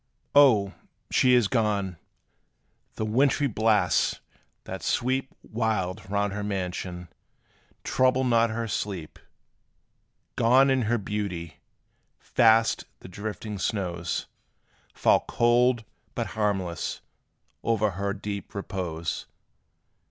O! she is gone! the wintry blasts, that sweep Wild round her mansion, trouble not her sleep: Gone in her beauty! Fast the drifting snows Fall cold, but harmless, o'er her deep repose!